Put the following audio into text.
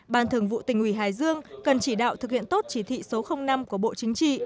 ban thường vụ tỉnh ủy hải dương cần chỉ đạo thực hiện tốt chỉ thị số năm của bộ chính trị